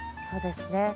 そうですね。